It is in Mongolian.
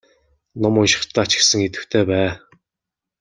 Ном уншихдаа ч гэсэн идэвхтэй бай.